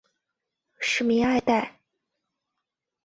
吏民爱戴。